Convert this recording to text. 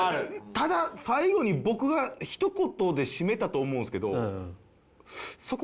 ただ最後に僕が一言で締めたと思うんですけど。